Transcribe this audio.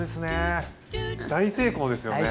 大成功ですよね。